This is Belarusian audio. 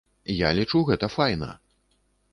Я лічу, гэта файна.